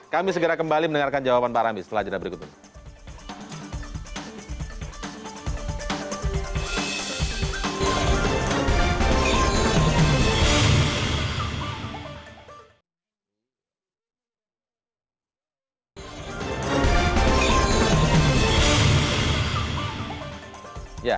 kami segera kembali mendengarkan jawaban pak arambe setelah jadwal berikutnya